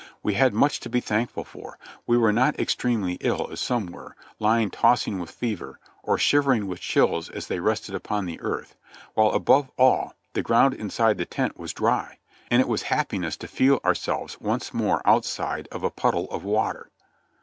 We had much to be thankful for; we were not extremely ill as some were, lying tossing with fever, or shivering with chills as they rested upon the earth ; while above all, the ground inside the tent was dry ; and it was happiness to feel our selves once more outside of a puddle of water.